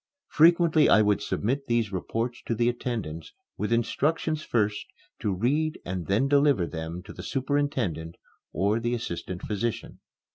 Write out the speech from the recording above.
Frequently I would submit these reports to the attendants with instructions first to read and then deliver them to the superintendent or the assistant physician.